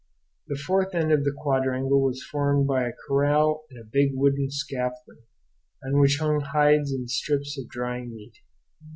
The fourth end of the quadrangle was formed by a corral and a big wooden scaffolding on which hung hides and strips of drying meat.